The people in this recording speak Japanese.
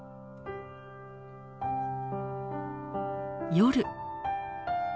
夜。